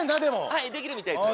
はいできるみたいです。